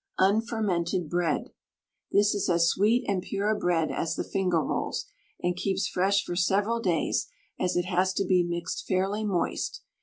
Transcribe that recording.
UNFERMENTED BREAD. This is as sweet and pure a bread as the finger rolls, and keeps fresh for several days, as it has to be mixed fairly moist.